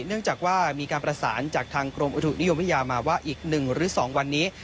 เนื่องจากว่ามีการประสานจากทางกรมอุตุนิยมวิทยามาว่าอีก๑หรือ๒วันนี้